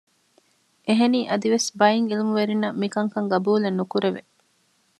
އެހެނީ އަދިވެސް ބައެއް ޢިލްމުވެރިންނަށް މިކަންކަން ޤަބޫލެއް ނުކުރެވެ